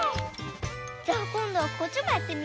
じゃあこんどはこっちもやってみよう。